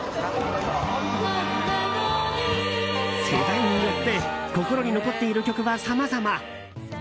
世代によって心に残っている曲はさまざま。